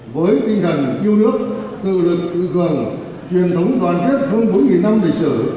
với tinh thần yêu nước tự lực tự cường truyền thống đoàn kết hơn bốn năm lịch sử